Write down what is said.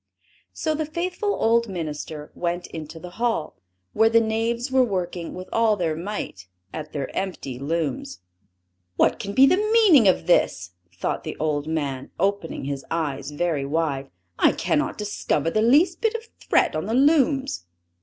So the faithful old minister went into the hall, where the knaves were working with all their might, at their empty looms. "What can be the meaning of this?" thought the old man, opening his eyes very wide. "I cannot discover the least bit of thread on the looms."